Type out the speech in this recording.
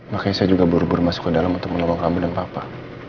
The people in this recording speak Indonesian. makanya saya juga buru buru masuk ke dalam untuk menolong kamu dan papa